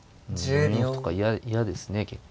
４四歩とか嫌ですね結構。